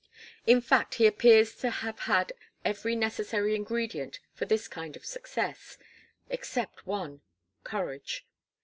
In fact he appears to have had every necessary ingredient for this kind of success except one, courage.